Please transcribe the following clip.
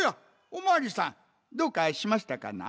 おまわりさんどうかしましたかな？